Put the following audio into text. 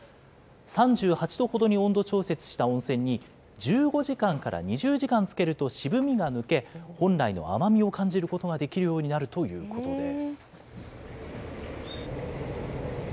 ３８度ほどに温度調節した温泉に、１５時間から２０時間つけると渋みが抜け、本来の甘みを感じることができるようになるということです。